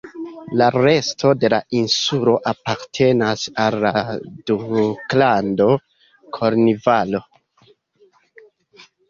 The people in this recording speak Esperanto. La resto de la insulo apartenas al la Duklando Kornvalo.